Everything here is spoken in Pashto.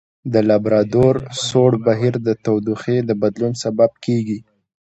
د لابرادور سوړ بهیر د تودوخې د بدلون سبب کیږي.